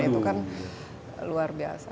itu kan luar biasa